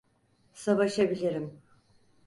Savaşabilirim.